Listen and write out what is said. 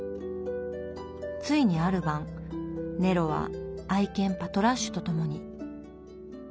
ついにある晩ネロは愛犬パトラッシュと共に。